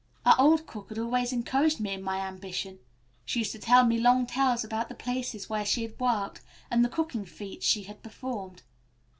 Our old cook had always encouraged me in my ambition. She used to tell me long tales about the places where she had worked and the cooking feats she had performed.